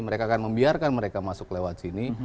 mereka akan membiarkan mereka masuk lewat sini